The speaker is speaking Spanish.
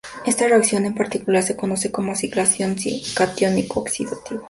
Esta reacción en particular se conoce como ciclación catiónico oxidativo.